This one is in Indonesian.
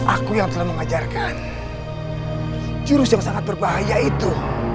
aku yang telah mengajarkan jurus yang sangat berbahaya itu